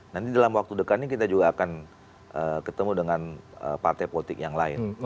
nanti dalam waktu dekat ini kita juga akan ketemu dengan partai politik yang lain